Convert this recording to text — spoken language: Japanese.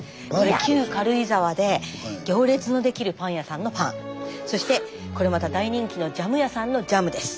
旧軽井沢で行列のできるパン屋さんのパンそしてこれまた大人気のジャム屋さんのジャムです。